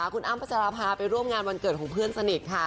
คุณอ้ำพัชราภาไปร่วมงานวันเกิดของเพื่อนสนิทค่ะ